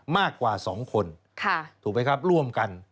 มากกว่า๒คนถูกไหมครับร่วมกัน